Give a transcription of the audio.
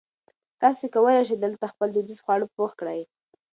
تاسي کولای شئ دلته خپل دودیز خواړه پخ کړي.